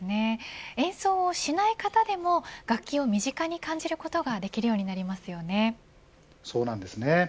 演奏をしない方でも楽器を身近に感じることがそうなんですね。